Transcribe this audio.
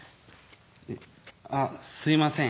「えあすいません。